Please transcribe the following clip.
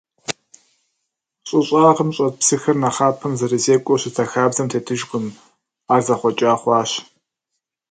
Щӏы щӏагъым щӏэт псыхэр нэхъапэм зэрызекӏуэу щыта хабзэм тетыжкъым, ар зэхъуэкӏа хъуащ.